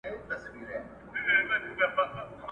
څېړنه او کره کتنه د نژدې غړو په څېر دي.